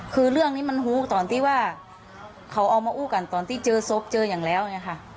คือเรื่องนี้มันฮู้ตอนที่ว่าเขาเอามาอู้กันตอนที่เจอศพเจออย่างแล้วเนี่ยค่ะ